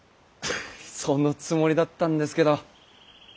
そのつもりだったんですけど。